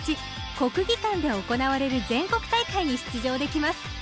国技館で行われる全国大会に出場できます